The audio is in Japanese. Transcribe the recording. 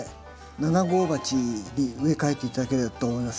７号鉢に植え替えて頂ければと思います。